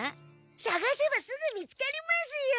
さがせばすぐ見つかりますよ！